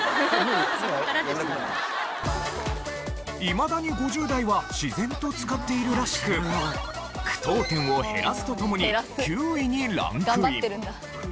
いまだに５０代は自然と使っているらしく句読点を減らすとともに９位にランクイン。